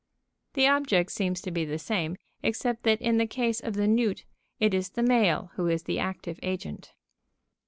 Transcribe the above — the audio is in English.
The object seems to be the same, except that in the case of the newt, it is the male who is the active agent.